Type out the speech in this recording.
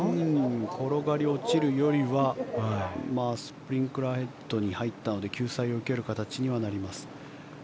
転がり落ちるよりはスプリンクラーヘッドに入ったので救済を受ける形にはなります。